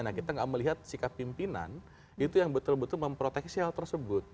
nah kita gak melihat sikap pimpinan itu yang betul betul memproteksi hal tersebut